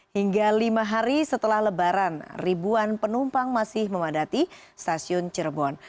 hingga lima hari setelah lebaran ribuan penumpang masih memadati stasiun cirebon